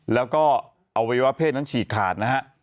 แล้วก็อวัยวะเพศนั้นฉีกขาดนะฮะ